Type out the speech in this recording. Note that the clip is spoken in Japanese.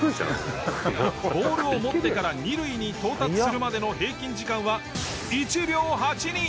ボールを持ってから二塁に到達するまでの平均時間は。